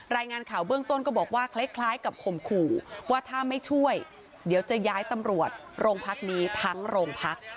รายงานข่าวเบื้องต้นก็บอกว่าคล้ายกับข่มขู่ว่าถ้าไม่ช่วยเดี๋ยวจะย้ายตำรวจโรงพักนี้ทั้งโรงพัก